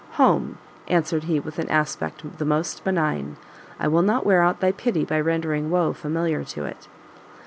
"Home;" answered he with an aspect the most benign; "I will not wear out thy pity by rendering woe familiar to it."